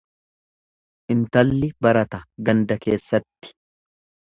Intalli barata ganda keessatti.